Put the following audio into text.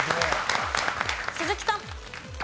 鈴木さん。